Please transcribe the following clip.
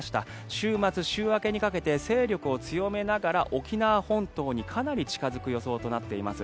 週末、週明けにかけて勢力を強めながら沖縄本島にかなり近付く予想となっています。